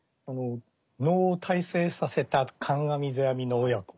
能を大成させた観阿弥世阿弥の親子